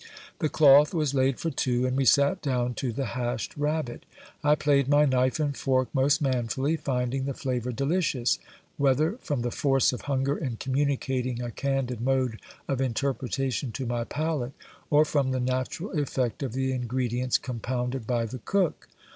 The cloth was laid for two, and we sat down to the hashed rabbit. I played my knife and fork most manfully, finding the flavour delicious, whether from the force of hunger in communicating a candid mode of interpretation to my palate, or from the natural effect of the ingredients compounded by the cook.